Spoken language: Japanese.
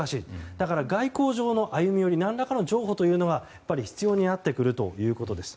だから外交上の譲歩何らかの歩み寄りは必要になってくるということです。